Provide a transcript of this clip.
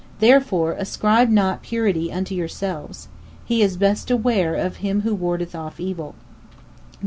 Therefor ascribe not purity unto yourselves. He is Best Aware of him who wardeth off (evil).